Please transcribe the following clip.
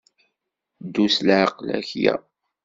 Ddu s leɛqel akya.